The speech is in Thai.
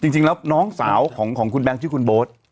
จริงแล้วน้องสาวของคุณแบงค์ชื่อคุณโบ๊ท